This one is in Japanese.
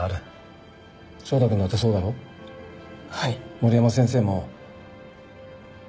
森山先生も。